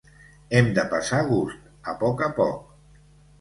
Hem de passar gust, a poc a poc.